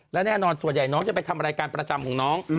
และแน่นอนส่วนใหญ่น้องจะไปทำรายการประจำของน้อง